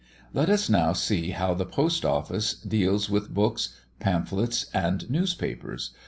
Let us now see how the Post Office deals with books, pamphlets, and newspapers.